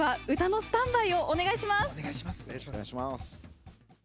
お願いします。